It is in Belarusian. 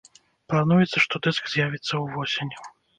Плануецца, што дыск з'явіцца ўвосень.